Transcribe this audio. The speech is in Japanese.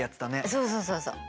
そうそうそうそう。